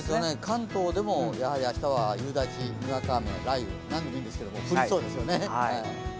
関東でもやはり明日は夕立、にわか雨、雷雨、なんでもいいんですけれども降りそうですね。